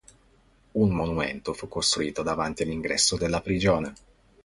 Un monumento fu costruito davanti all'ingresso della prigione.